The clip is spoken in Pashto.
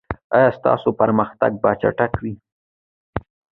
ایا ستاسو پرمختګ به چټک وي؟